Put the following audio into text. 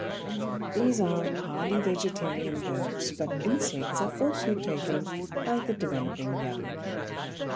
These are hardy vegetarian birds, but insects are also taken by the developing young.